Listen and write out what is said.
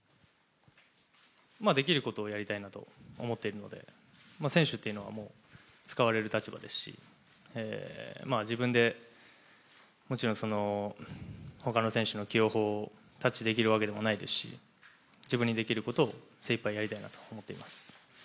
できることをやりたいなと思っているので、選手というのは使われる立場ですし、自分でもちろん他の選手の起用法をタッチできるわけでもないですし自分にできることを精いっぱいやりたいなと思っています。